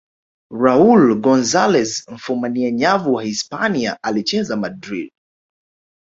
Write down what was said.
raul gonzalez mfumania nyavu wa hispania alicheza madrid